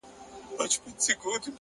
فکر مثبت وي نو لارې روښانه کېږي!